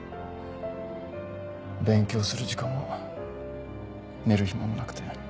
勉強する時間も寝る暇もなくて。